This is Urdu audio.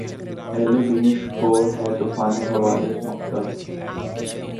اہلِ بینش کو‘ ہے طوفانِ حوادث‘ مکتب